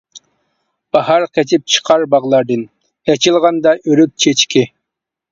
باھار قېچىپ چىقار باغلاردىن، ئېچىلغاندا ئۆرۈك چېچىكى.